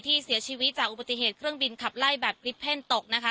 ที่เสียชีวิตจากอุบัติเหตุเครื่องบินขับไล่แบบคลิปเพ่นตกนะคะ